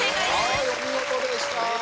はいお見事でした！